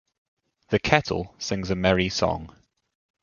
The kettle sings a merry song.